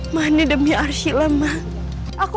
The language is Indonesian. yan nih demi archila mah